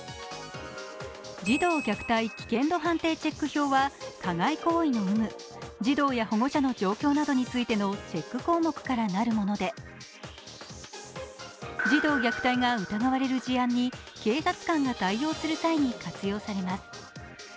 児童虐待危険度判定チェック票は加害行為の有無、児童や保護者の状況などについてのチェック項目からなるもので、児童虐待が疑われる事案に警察官が対応する際に活用されます。